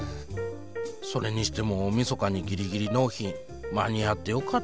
それにしても大みそかにギリギリ納品間に合ってよかったな。